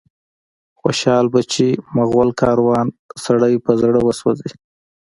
خوشال بچي، مغول کاروان، سړی په زړه وسوځي